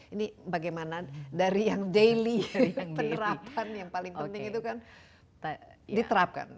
ini bagaimana dari yang daily penerapan yang paling penting itu kan diterapkan